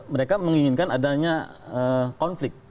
mereka menginginkan adanya konflik